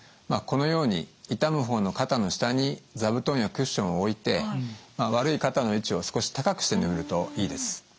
このように痛む方の肩の下に座布団やクッションを置いて悪い肩の位置を少し高くして眠るといいです。